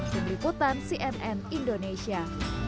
berikutan cnn indonesia